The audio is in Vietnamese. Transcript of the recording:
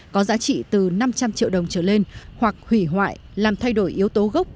có giá trị từ năm trăm linh triệu đồng trở lên hoặc hủy hoại làm thay đổi yếu tố gốc